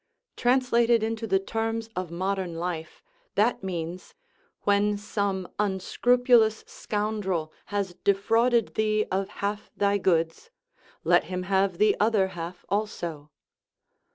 Trans lated into the terms of modern life, that means :" When some unscrupulous scoundrel has defrauded thee of half thy goods, let him have the other half also."